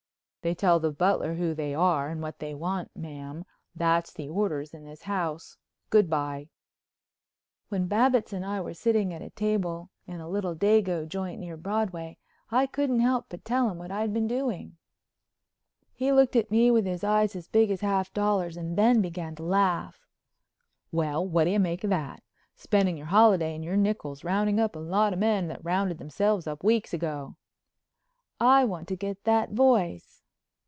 "They tell the butler who they are and what they want, ma'am. That's the orders in this house. Good bye." When Babbitts and I were sitting at a table in a little dago joint near Broadway, I couldn't help but tell him what I'd been doing. He looked at me with his eyes as big as half dollars and then began to laugh. "Well, what do you make of that? Spending your holiday and your nickels rounding up a lot of men that rounded themselves up weeks ago." "I want to get that voice."